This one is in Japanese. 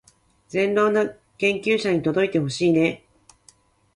善良な研究者に届いてほしいねー